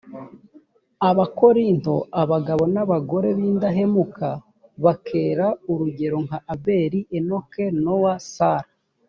abakorinto abagabo n abagore b indahemuka ba kera urugero nka abeli enoki nowa sara